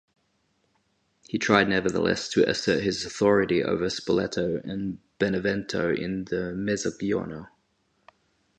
He tried nevertheless to assert his authority over Spoleto and Benevento in the Mezzogiorno.